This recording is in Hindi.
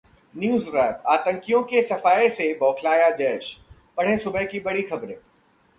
NewsWrap: आतंकियों के सफाए से बौखलाया जैश, पढ़ें सुबह की बड़ी खबरें